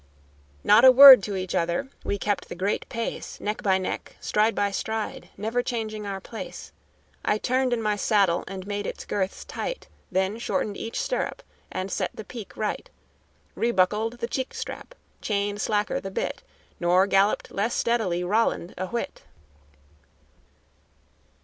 Not a word to each other; we kept the great pace Neck by neck, stride by stride, never changing our place; I turned in my saddle and made its girth tight, Then shortened each stirrup, and set the pique right, Rebuckled the cheek strap, chained slacker the bit, Nor galloped less steadily Roland a whit.